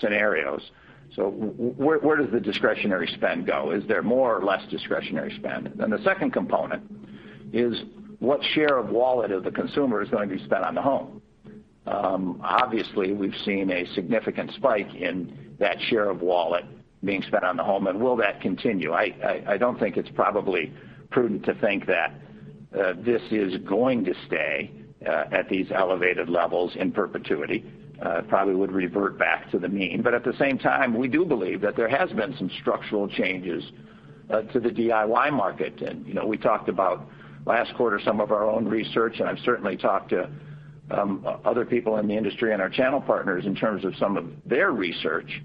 scenarios. Where does the discretionary spend go? Is there more or less discretionary spend? The second component is what share of wallet of the consumer is going to be spent on the home? Obviously, we've seen a significant spike in that share of wallet being spent on the home. Will that continue? I don't think it's probably prudent to think that this is going to stay at these elevated levels in perpetuity. Probably would revert back to the mean. At the same time, we do believe that there has been some structural changes to the DIY market. We talked about last quarter some of our own research, and I've certainly talked to other people in the industry and our channel partners in terms of some of their research.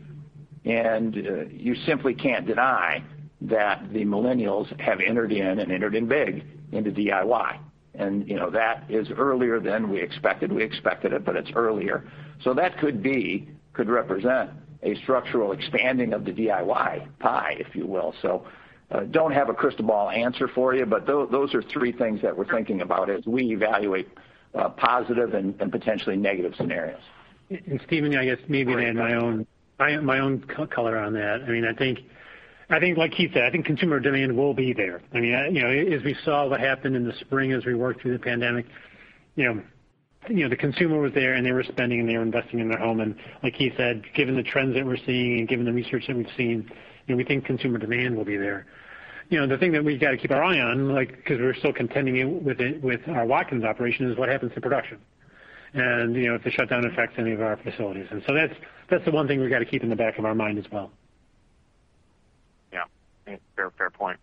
You simply can't deny that the millennials have entered in, and entered in big, into DIY. That is earlier than we expected. We expected it, but it's earlier. That could represent a structural expanding of the DIY pie, if you will. Don't have a crystal ball answer for you, but those are three things that we're thinking about as we evaluate positive and potentially negative scenarios. Stephen, I guess maybe I add my own color on that. I think like Keith said, I think consumer demand will be there. As we saw what happened in the spring as we worked through the pandemic, the consumer was there and they were spending and they were investing in their home. Like Keith said, given the trends that we're seeing and given the research that we've seen, we think consumer demand will be there. The thing that we got to keep our eye on, because we're still contending with our Watkins operation, is what happens to production and if the shutdown affects any of our facilities. That's the one thing we got to keep in the back of our mind as well. Yeah. Fair point.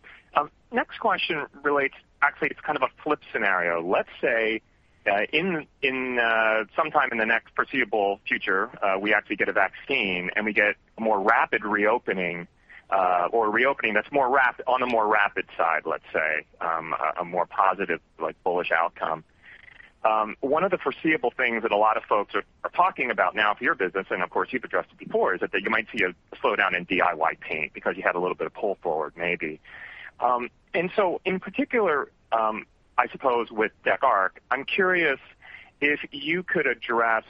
Next question relates, actually, it's kind of a flip scenario. Let's say sometime in the next foreseeable future, we actually get a vaccine and we get a more rapid reopening, or reopening that's on a more rapid side, let's say, a more positive, bullish outcome. One of the foreseeable things that a lot of folks are talking about now for your business, and of course you've addressed it before, is that you might see a slowdown in DIY paint because you had a little bit of pull forward maybe. In particular, I suppose with Dec Arch, I'm curious if you could address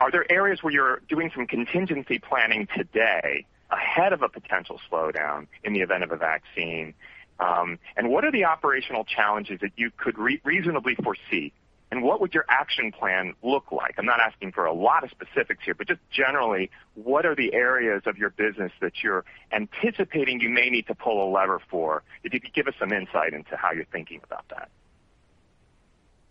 are there areas where you're doing some contingency planning today ahead of a potential slowdown in the event of a vaccine? What are the operational challenges that you could reasonably foresee, and what would your action plan look like? I'm not asking for a lot of specifics here, but just generally, what are the areas of your business that you're anticipating you may need to pull a lever for? If you could give us some insight into how you're thinking about that.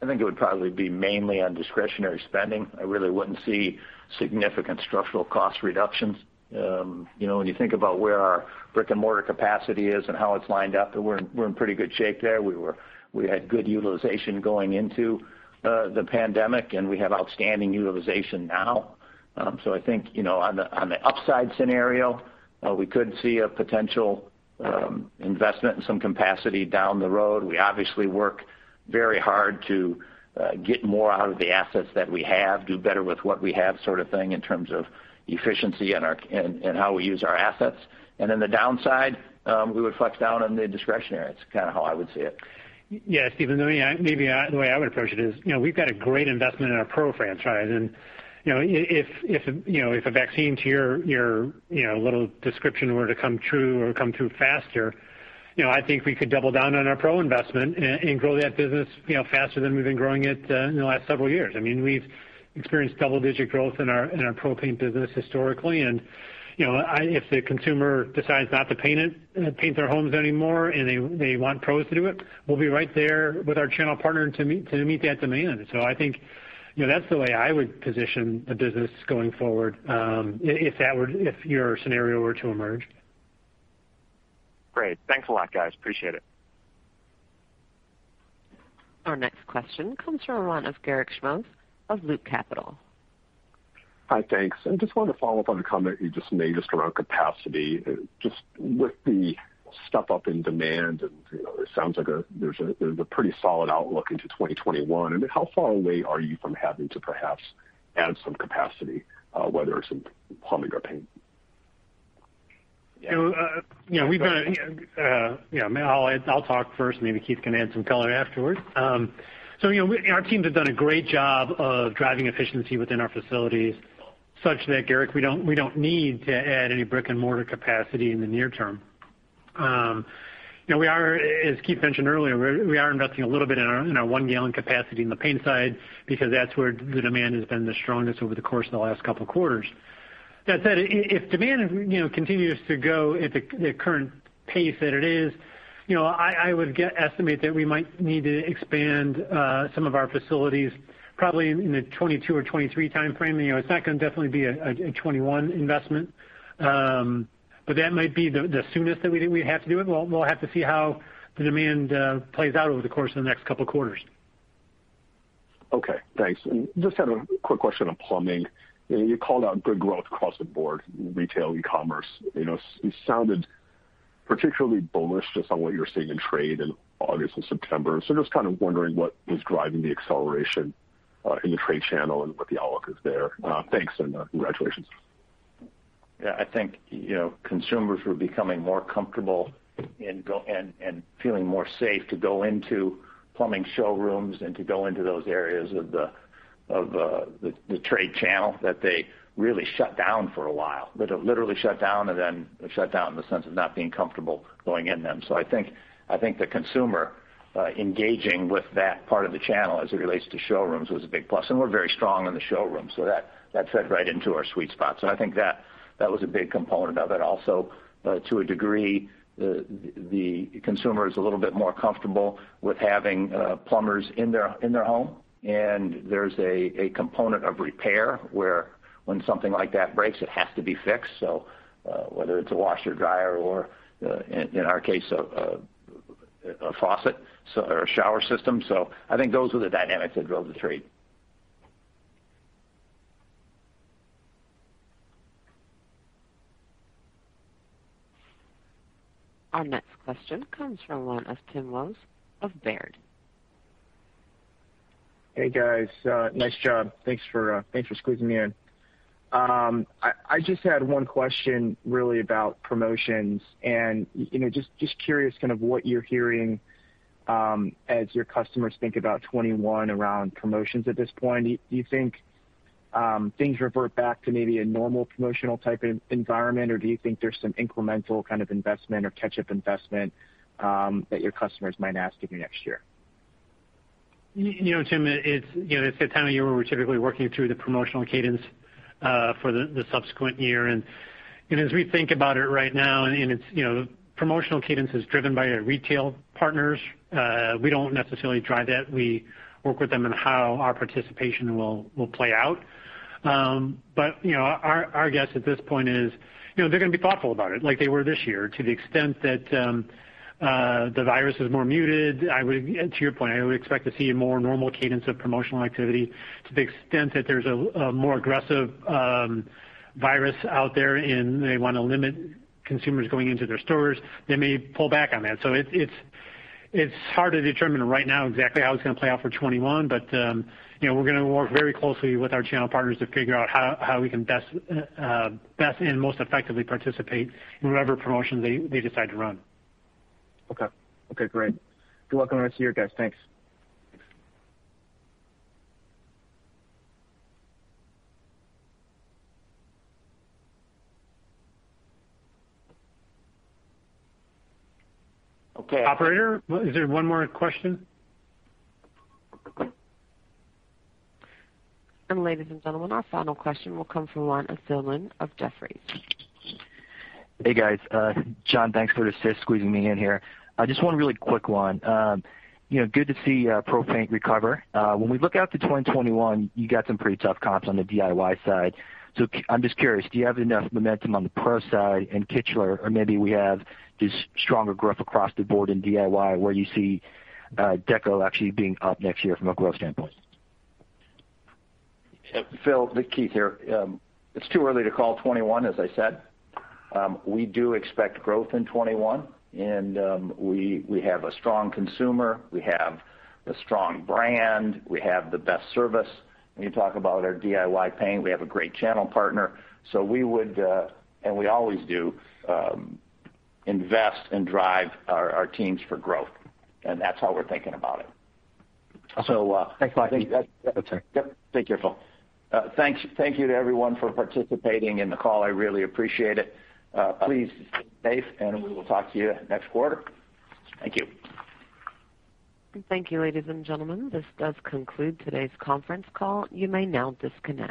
I think it would probably be mainly on discretionary spending. I really wouldn't see significant structural cost reductions. When you think about where our brick and mortar capacity is and how it's lined up, we're in pretty good shape there. We had good utilization going into the pandemic, and we have outstanding utilization now. I think on the upside scenario, we could see a potential investment in some capacity down the road. We obviously work very hard to get more out of the assets that we have, do better with what we have sort of thing, in terms of efficiency and how we use our assets. Then the downside, we would flex down on the discretionary. That's kind of how I would see it. Yeah. Stephen, maybe the way I would approach it is, we've got a great investment in our PRO franchise, and if a vaccine to your little description were to come true or come true faster, I think we could double down on our PRO investment and grow that business faster than we've been growing it in the last several years. We've experienced double-digit growth in our PRO paint business historically. If the consumer decides not to paint their homes anymore and they want pros to do it, we'll be right there with our channel partner to meet that demand. I think that's the way I would position the business going forward if your scenario were to emerge. Great. Thanks a lot, guys. Appreciate it. Our next question comes from the line of Garik Shmois of Loop Capital. Hi. Thanks. I just wanted to follow up on a comment you just made just around capacity. Just with the step up in demand, it sounds like there's a pretty solid outlook into 2021. How far away are you from having to perhaps add some capacity, whether it's in plumbing or paint? Yeah. I'll talk first, maybe Keith can add some color afterwards. Our teams have done a great job of driving efficiency within our facilities, such that, Garik, we don't need to add any brick-and-mortar capacity in the near term. As Keith mentioned earlier, we are investing a little bit in our one-gallon capacity in the paint side, because that's where the demand has been the strongest over the course of the last couple of quarters. That said, if demand continues to go at the current pace that it is, I would estimate that we might need to expand some of our facilities, probably in the 2022 or 2023 timeframe. It's not going to definitely be a 2021 investment. That might be the soonest that we think we'd have to do it. We'll have to see how the demand plays out over the course of the next couple of quarters. Okay, thanks. Just had a quick question on Plumbing. You called out good growth across the board, retail, e-commerce. You sounded particularly bullish just on what you were seeing in trade in August and September. Just kind of wondering what is driving the acceleration in the trade channel and what the outlook is there. Thanks, and congratulations. Yeah, I think consumers were becoming more comfortable and feeling more safe to go into plumbing showrooms and to go into those areas of the trade channel that they really shut down for a while. That literally shut down and then shut down in the sense of not being comfortable going in them. I think the consumer engaging with that part of the channel as it relates to showrooms was a big plus. We're very strong in the showrooms, so that fed right into our sweet spot. I think that was a big component of it. Also, to a degree, the consumer is a little bit more comfortable with having plumbers in their home, and there's a component of repair where when something like that breaks, it has to be fixed. Whether it's a washer, dryer or, in our case, a faucet or a shower system. I think those are the dynamics that drove the trade. Our next question comes from the line of Tim Wojs of Baird. Hey, guys. Nice job. Thanks for squeezing me in. I just had one question really about promotions and just curious kind of what you're hearing as your customers think about 2021 around promotions at this point? Do you think things revert back to maybe a normal promotional type of environment, or do you think there's some incremental kind of investment or catch-up investment that your customers might ask of you next year? Tim, it's the time of year where we're typically working through the promotional cadence for the subsequent year. As we think about it right now, promotional cadence is driven by our retail partners. We don't necessarily drive that. We work with them on how our participation will play out. Our guess at this point is they're going to be thoughtful about it like they were this year to the extent that the virus is more muted. To your point, I would expect to see a more normal cadence of promotional activity. To the extent that there's a more aggressive virus out there, and they want to limit consumers going into their stores, they may pull back on that. It's hard to determine right now exactly how it's going to play out for 2021. We're going to work very closely with our channel partners to figure out how we can best and most effectively participate in whatever promotions they decide to run. Okay. Great. Good luck on the rest of your year, guys. Thanks. Okay. Operator, is there one more question? Ladies and gentlemen, our final question will come from the line of Phil Ng of Jefferies. Hey, guys. John, thanks for squeezing me in here. One really quick one. Good to see PRO paint recover. We look out to 2021, you got some pretty tough comps on the DIY side. I'm just curious, do you have enough momentum on the pro side in Kichler, or maybe we have this stronger growth across the board in DIY where you see Deco actually being up next year from a growth standpoint? Phil, Keith here. It's too early to call 2021, as I said. We do expect growth in 2021, we have a strong consumer. We have a strong brand. We have the best service. When you talk about our DIY paint, we have a great channel partner. We would, and we always do, invest and drive our teams for growth. That's how we're thinking about it. Thanks a lot. Yep. Thank you, Phil. Thank you to everyone for participating in the call. I really appreciate it. Please stay safe, and we will talk to you next quarter. Thank you. Thank you, ladies and gentlemen. This does conclude today's conference call. You may now disconnect.